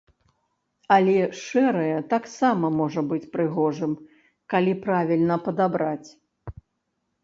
Але шэрае таксама можа быць прыгожым, калі правільна падабраць.